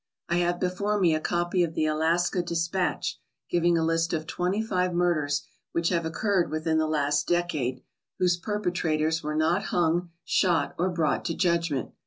I have before me a copy of the Alaska Dispatch, giving a list of twenty five murders which have occurred 171 ALASKA OUR NORTHERN WONDERLAND within the last decade, whose perpetrators were not hung, shot, or brought to judgment.